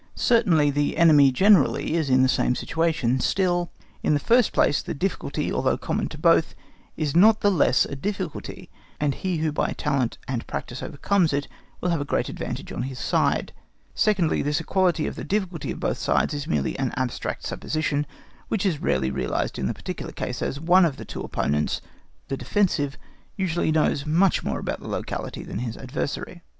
Certainly the enemy generally is in the same situation; still, in the first place, the difficulty, although common to both, is not the less a difficulty, and he who by talent and practice overcomes it will have a great advantage on his side; secondly, this equality of the difficulty on both sides is merely an abstract supposition which is rarely realised in the particular case, as one of the two opponents (the defensive) usually knows much more of the locality than his adversary.